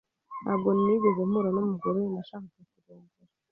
Ntabwo nigeze mpura numugore nashakaga kurongora.